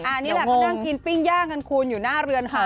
อันนี้แหละก็นั่งกินปิ้งย่างกันคูณอยู่หน้าเรือนหอ